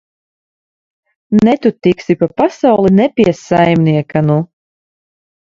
Ne tu tiksi pa pasauli, ne pie saimnieka, nu!